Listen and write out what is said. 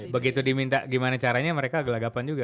begitu diminta gimana caranya mereka gelagapan juga